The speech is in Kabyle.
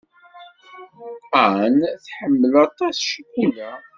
Ann tḥemmel aṭas ccikula.